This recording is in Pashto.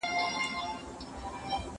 یا ښکاري یا د زمري خولې ته سوغات سم